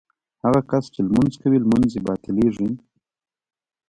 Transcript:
هغه کس چې لمونځ کوي لمونځ یې باطلېږي.